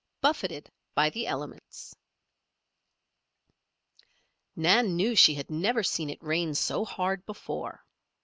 BUFFETED BY THE ELEMENTS Nan knew she had never seen it rain so hard before.